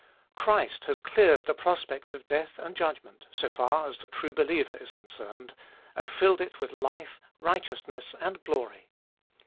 Christ has cleared the prospect of death and judgment, so far as the true believer is concerned, and filled it with life, righteousness, and glory.